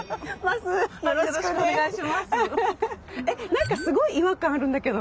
何かすごい違和感あるんだけど。